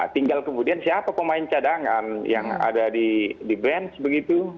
tinggal kemudian siapa pemain cadangan yang ada di bench begitu